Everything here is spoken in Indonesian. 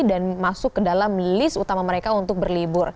dan masuk ke dalam list utama mereka untuk berlibur